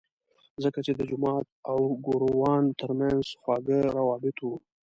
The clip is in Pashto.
ځکه چې د جومات او ګوروان ترمنځ خواږه روابط وو.